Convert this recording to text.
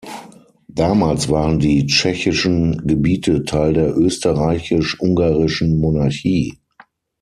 Damals waren die tschechischen Gebiete Teil der österreichisch- ungarischen Monarchie.